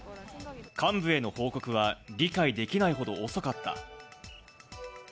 幹部への報告は、理解できないほど遅かった。